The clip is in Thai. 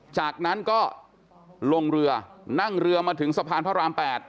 จากนั้นก็ลงเรือนั่งเรือมาถึงสะพานพระราม๘